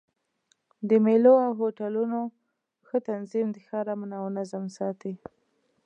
د مېلو او هوټلونو ښه تنظیم د ښار امن او نظم ساتي.